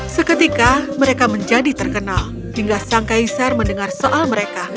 seketika mereka menjadi terkenal hingga sang kaisar mendengar soal mereka